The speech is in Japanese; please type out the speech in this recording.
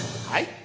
はい。